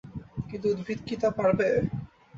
কিন্তু উদ্ভিদ কি তা পারবে?